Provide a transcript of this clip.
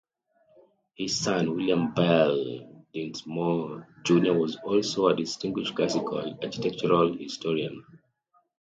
His son, William Bell Dinsmoor, Junior was also a distinguished classical architectural historian.